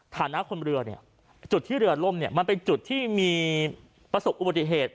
ฐานะคนเรือเนี่ยจุดที่เรือล่มเนี่ยมันเป็นจุดที่มีประสบอุบัติเหตุ